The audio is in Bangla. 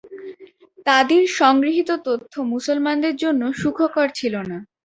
তাদের সংগৃহীত তথ্য মুসলমানদের জন্য সুখকর ছিল না।